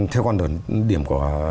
theo quan điểm của